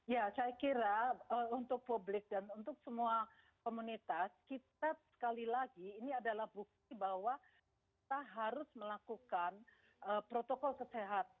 ya saya kira untuk publik dan untuk semua komunitas kita sekali lagi ini adalah bukti bahwa kita harus melakukan protokol kesehatan